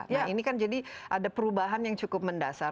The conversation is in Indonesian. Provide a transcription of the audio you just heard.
nah ini kan jadi ada perubahan yang cukup mendasar